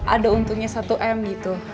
ada untungnya satu m gitu